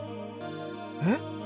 えっ？